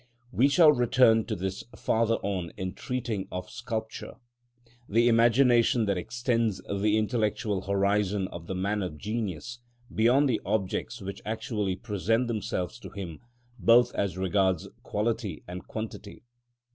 We shall return to this farther on in treating of sculpture. The imagination then extends the intellectual horizon of the man of genius beyond the objects which actually present themselves to him, both as regards quality and quantity.